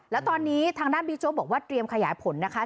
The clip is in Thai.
แล้วตอนนี้ทางด้านบิ๊กโจ๊กบอกว่าเตรียมขยายผลนะคะ